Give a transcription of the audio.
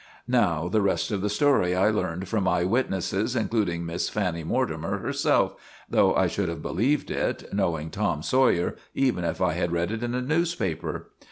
Now the rest of this story I learned from eye witnesses, including Miss Fanny Mortimer herself, though I should have believed it, knowing Tom Sawyer, even if I had read it in a newspaper.